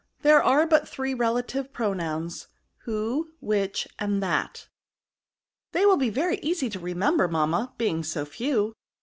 There are but three relative pronouns, who, which, and thaU They will be very easy to remember, jnamma, being so few.